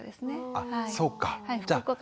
あそうか。